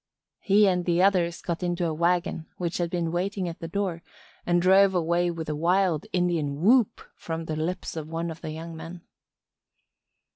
He and the others got into a wagon which had been waiting at the door and drove away with a wild Indian whoop from the lips of one of the young men.